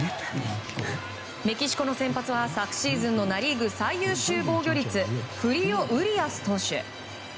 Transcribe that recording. メキシコの先発は、昨シーズンのナ・リーグ最優秀防御率フリオ・ウリアス投手。